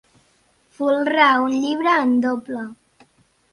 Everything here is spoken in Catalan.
Folrar un llibre en doble.